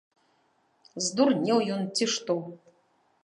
Здурнеў ён, ці што?